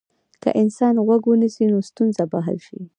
که انسان غوږ ونیسي، نو ستونزه به حل شي.